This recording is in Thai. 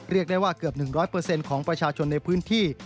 เรียกได้ว่าเกือบ๑๐๐ของประชาชนในพื้นที่